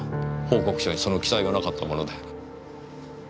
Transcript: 報告書にその記載がなかったもので。